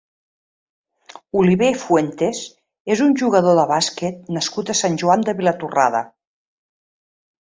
Oliver Fuentes és un jugador de bàsquet nascut a Sant Joan de Vilatorrada.